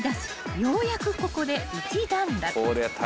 ようやくここで一段落］